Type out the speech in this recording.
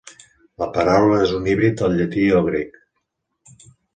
La paraula és un híbrid del llatí i el grec.